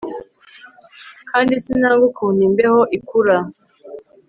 Kandi sinanga ukuntu imbeho ikura